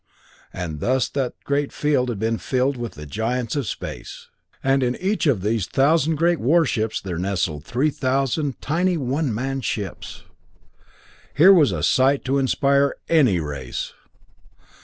And thus that great field had been filled with Giants of Space! And in each of these thousand great warships there nestled three thousand tiny one man ships. Here was a sight to inspire any race!